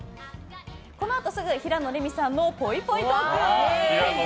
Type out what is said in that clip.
このあとすぐ平野レミさんのぽいぽいトーク。